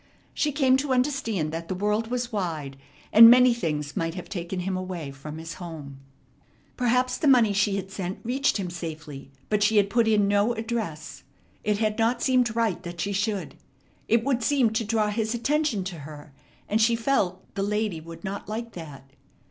She came to understand that the world was wide, and many things might have taken him away from his home. Perhaps the money she had sent reached him safely, but she had put in no address. It had not seemed right that she should. It would seem to draw his attention to her, and she felt "the lady" would not like that.